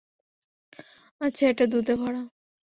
আচ্ছা, এটা দুধে ভরা।